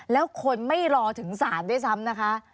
แล้วคนไม่รอถึงศาลด้วยซ้ำนะคะ